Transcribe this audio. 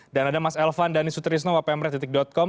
dan ada mas elvan dan isutrisno wpm red com